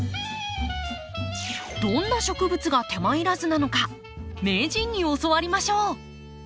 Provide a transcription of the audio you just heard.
どんな植物が手間いらずなのか名人に教わりましょう。